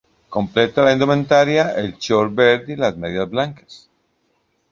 Completa la indumentaria el short verde y las medias blancas.